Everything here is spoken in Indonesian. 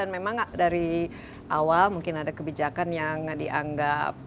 memang dari awal mungkin ada kebijakan yang dianggap